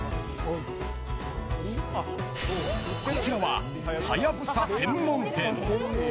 こちらはハヤブサ専門店。